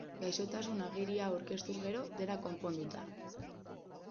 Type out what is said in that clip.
Gaixotasun-agiria aurkeztuz gero, dena konponduta.